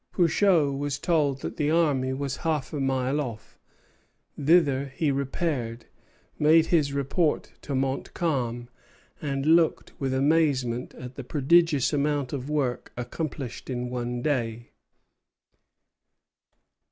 Pouchot was told that the army was half a mile off. Thither he repaired, made his report to Montcalm, and looked with amazement at the prodigious amount of work accomplished in one day.